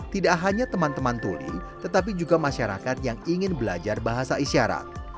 tidak hanya teman teman tuli tetapi juga masyarakat yang ingin belajar bahasa isyarat